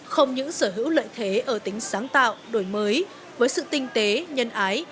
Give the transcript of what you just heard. không những sở hữu lợi thế ở tính sáng tạo đổi mới với sự tinh tế nhân ái